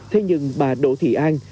thế nhưng bà đỗ thị an